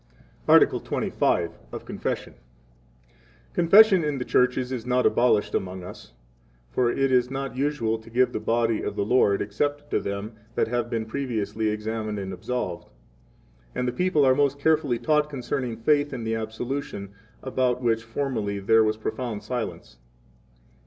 Article XXV. Of Confession. 1 Confession in the churches is not abolished among us; for it is not usual to give the body of the Lord, except to them that have been previously examined and absolved. And 2 the people are most carefully taught concerning faith in the absolution, about which formerly there 3 was profound silence.